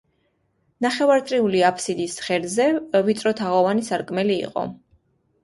ნახევარწრიული აფსიდის ღერძზე ვიწრო თაღოვანი სარკმელი იყო.